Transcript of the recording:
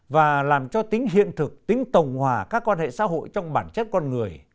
và làm cho tính hiện thực tính tổng hòa các quan hệ xã hội trong bản chất con người